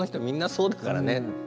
みんなそうだからね。